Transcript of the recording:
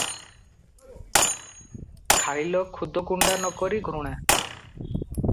ଖାଇଲ ଖୁଦକୁଣ୍ଡା ନକରି ଘୃଣା